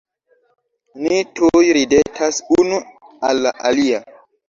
Ni tuj ridetas unu al la alia.